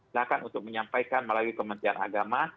bahkan untuk menyampaikan melalui kementerian agama